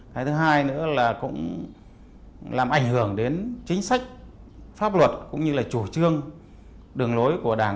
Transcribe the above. cái thứ hai nữa là cũng làm ảnh hưởng đến chính sách pháp luật cũng như là chủ trương đường lối của đảng